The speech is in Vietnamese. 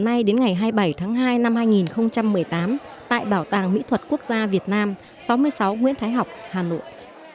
hôm nay đến ngày hai mươi bảy tháng hai năm hai nghìn một mươi tám tại bảo tàng mỹ thuật quốc gia việt nam sáu mươi sáu nguyễn thái học hà nội